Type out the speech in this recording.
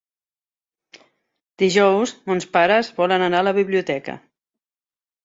Dijous mons pares volen anar a la biblioteca.